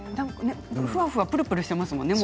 ふわふわ、ぷるぷるしていますもんね。